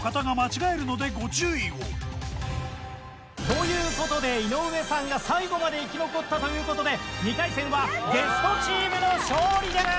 という事で井上さんが最後まで生き残ったという事で２回戦はゲストチームの勝利です。